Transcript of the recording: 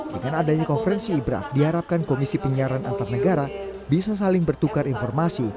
dengan adanya konferensi ibraf diharapkan komisi penyiaran antar negara bisa saling bertukar informasi